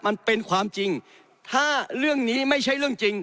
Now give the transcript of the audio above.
มันเป็นความจริงถ้าเรื่องนี้ไม่ใช่เรื่องจริง